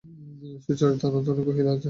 সুচরিতা আনতনেত্রে কহিল, আচ্ছা।